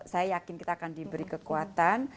saya yakin kita akan diberi kekuatan